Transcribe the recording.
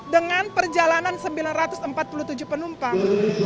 dengan perjalanan sembilan ratus empat puluh tujuh penumpang